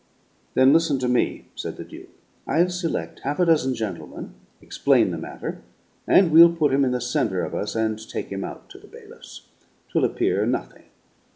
"Then listen to me," said the Duke. "I'll select half a dozen gentlemen, explain the matter, and we'll put him in the center of us and take him out to the bailiffs. 'Twill appear nothing.